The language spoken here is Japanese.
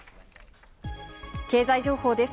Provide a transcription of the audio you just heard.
経済情報です。